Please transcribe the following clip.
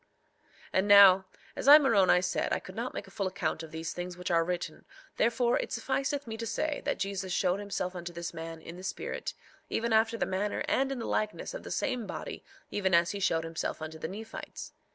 3:17 And now, as I, Moroni, said I could not make a full account of these things which are written therefore it sufficeth me to say that Jesus showed himself unto this man in the spirit, even after the manner and in the likeness of the same body even as he showed himself unto the Nephites.